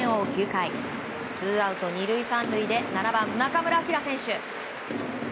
９回ツーアウト２塁３塁で７番、中村晃選手。